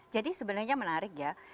jadi sebenarnya menarik ya